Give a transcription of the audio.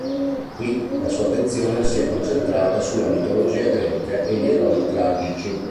Qui, la sua attenzione si è concentrata sulla mitologia greca e gli eroi tragici.